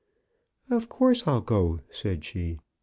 " Of course I'll go," said she.